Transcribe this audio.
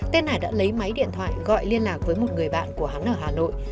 tên hải đã lấy máy điện thoại gọi liên lạc với một người bạn của hắn ở hà nội